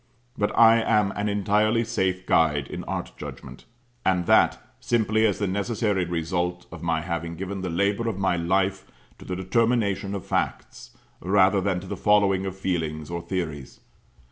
But I am an entirely safe guide in art judgment: and that simply as the necessary result of my having given the labour of life to the determination of facts, rather than to the following of feelings or theories.